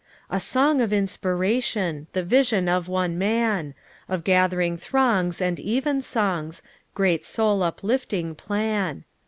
"A song of inspiration! The vision of one man! Of gathering throngs and even songs — Great soul uplifting plan.